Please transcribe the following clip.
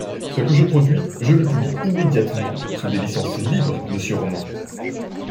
Ce que je produis, je le publie immédiatement sous des licences libres monsieur Roman